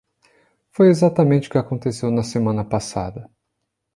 Foi exatamente o que aconteceu na semana passada.